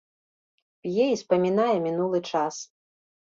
П'е і спамінае мінулы час.